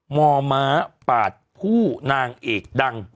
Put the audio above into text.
ม่อม้าปากผู้นางเอกดัง